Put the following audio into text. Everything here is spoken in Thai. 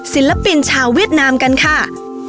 ศิลปินชาวเวียดนามกันค่ะ